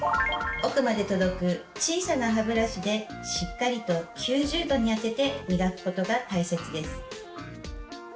奥まで届く小さな歯ブラシでしっかりと９０度に当てて磨くことが大切です。